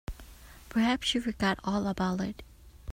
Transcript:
Perhaps she forgot all about it.